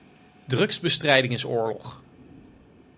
Drugsbestrijding is oorlog.